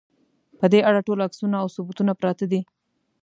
په دې اړه ټول عکسونه او ثبوتونه پراته دي.